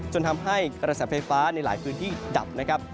จนทำให้กระแสไฟฟ้าในหลายพื้นที่ดับ